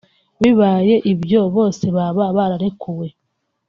bibaye ibyo bose baba bararekuwe